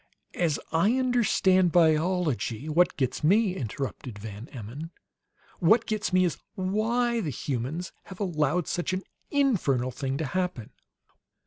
As I understand biology " "What gets me," interrupted Van Emmon; "what gets me is, WHY the humans have allowed such an infernal thing to happen!"